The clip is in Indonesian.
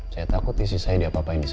saya takut isi saya di apa apain di sana